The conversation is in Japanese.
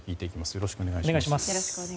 よろしくお願いします。